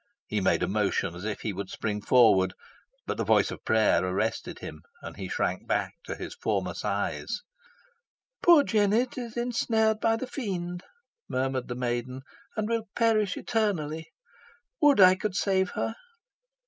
He made a motion as if he would spring forward, but the voice of prayer arrested him, and he shrank back to his former size. "Poor Jennet is ensnared by the Fiend," murmured the maiden, "and will perish eternally. Would I could save her!"